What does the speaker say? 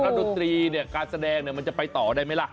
ดนตรีเนี่ยการแสดงเนี่ยมันจะไปต่อได้ไหมล่ะ